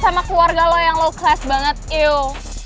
sama keluarga lo yang low class banget yuk